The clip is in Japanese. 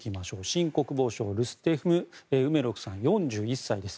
新国防相、ルステム・ウメロフ氏４１歳です。